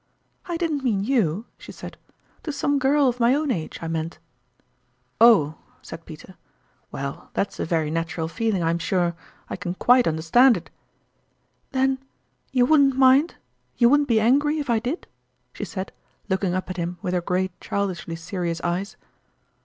"I didn't mean you," she said "to some girl of my own age, I meant." " Oli !" said Peter, " well, that's a very natural feeling, I'm sure. I can quite understand it !"" Then you wouldn't mind you wouldn't be angry if I did ?" she said, looking up at him with her great childishly serious eyes.